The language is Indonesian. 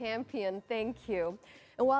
dan sementara itu kita berakhir